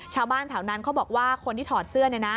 ชาวบ้านแถวนั้นเขาบอกว่าคนที่ถอดเสื้อ